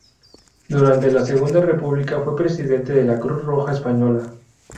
Durante la Segunda República fue presidente de la Cruz Roja Española.